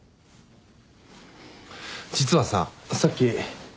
実はささっき